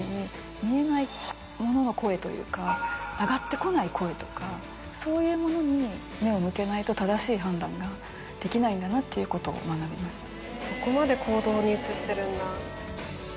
見えないものの声というか上がってこない声とかそういうものに目を向けないと正しい判断ができないんだなということを学びました。